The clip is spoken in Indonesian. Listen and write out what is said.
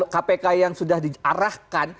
kpk yang sudah diarahkan